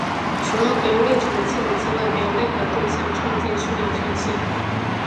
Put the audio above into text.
除了可用内存的限制之外没有内核对象创建数量上限。